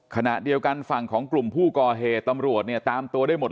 ขณะเดียวกันฝั่งของกลุ่มผู้ก่อเหตุตำรวจเนี่ยตามตัวได้หมด